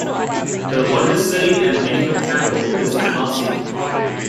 The largest city and regional capital is Kumasi.